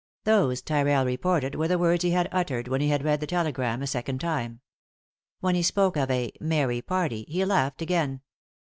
Those, Tyrrell reported, were the words he had uttered when he had read the telegram a second time. When he spoke of "a merry party" he laughed again.